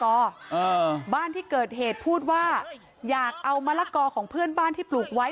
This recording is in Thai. อ่าบ้านที่เกิดเหตุพูดว่าอยากเอามะละกอของเพื่อนบ้านที่ปลูกไว้